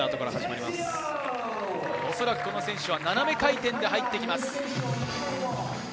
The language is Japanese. この選手は斜め回転で入ってきます。